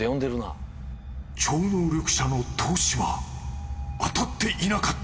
［超能力者の透視は当たっていなかった］